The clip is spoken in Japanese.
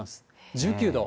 １９度。